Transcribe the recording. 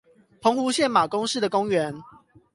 澎湖縣馬公市的公園